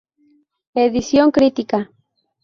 Edición crítica.